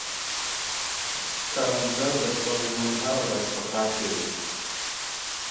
کروندګر د خپل ژوند هره ورځ په کار تېروي